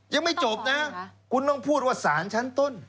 ยังไม่จบนะคุณต้องพูดว่าสารชั้นต้น